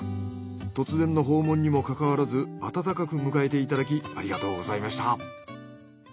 突然の訪問にもかかわらず温かく迎えていただきありがとうございました。